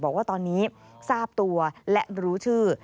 บอกว่าตอนนี้ทราบตัวและรู้ชื่อ